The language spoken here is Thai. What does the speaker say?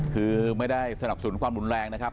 คือไม่ได้สนับสนุนความรุนแรงนะครับ